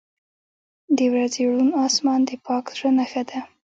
• د ورځې روڼ آسمان د پاک زړه نښه ده.